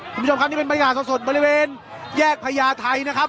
คุณผู้ชมครับนี่เป็นบรรยากาศสดบริเวณแยกพญาไทยนะครับ